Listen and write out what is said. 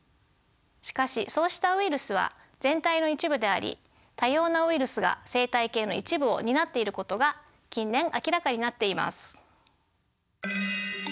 しかしそうしたウイルスは全体の一部であり多様なウイルスが生態系の一部を担っていることが近年明らかになっています。